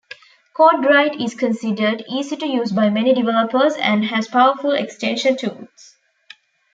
CodeWright is considered easy to use by many developers and has powerful extension tools.